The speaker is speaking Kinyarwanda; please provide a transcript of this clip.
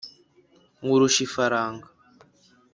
Nkurusha ifaranga,